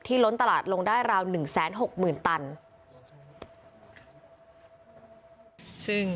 ล้นตลาดลงได้ราว๑๖๐๐๐ตัน